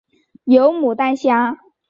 有牡丹虾